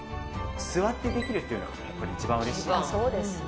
座ってできるっていうのがやっぱり一番嬉しいですよね。